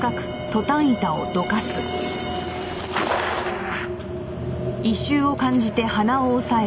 ああ。